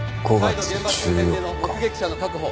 再度現場周辺での目撃者の確保。